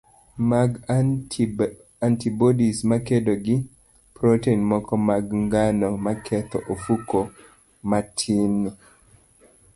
mag antibodies makedo gi protein moko mag ngano maketho ofuko matinni,